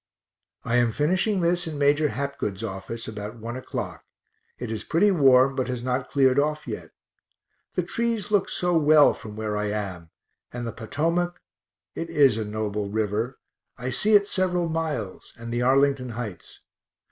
I am finishing this in Major Hapgood's office, about 1 o'clock it is pretty warm, but has not cleared off yet. The trees look so well from where I am, and the Potomac it is a noble river; I see it several miles, and the Arlington heights.